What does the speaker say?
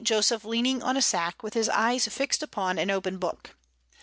Joseph leaning on a sack, with his eyes fixed upon an open book.